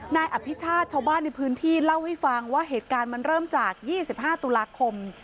นายอภิชาติชาวบ้านในพื้นที่เล่าให้ฟังว่าเหตุการณ์มันเริ่มจาก๒๕ตุลาคม